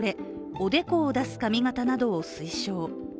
おでこを出す髪形などを推奨。